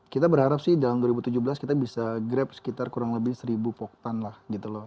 kita berharap sih dalam dua ribu tujuh belas kita bisa grab sekitar kurang lebih seribu poktan lah gitu loh